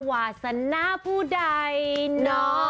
วาสนาผู้ใดเนาะ